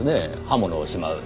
刃物をしまう。